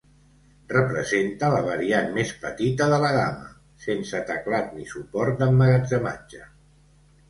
Representa la variant més petita de la gamma, sense teclat ni suport d'emmagatzematge.